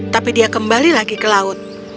tapi dia kembali lagi ke laut